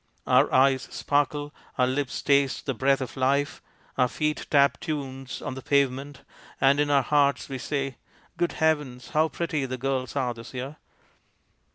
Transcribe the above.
Our eyes sparkle, our lips taste the breath of life, our feet tap tunes on the pavement, and in our hearts we say, " Good heavens ! how pretty the girls are this year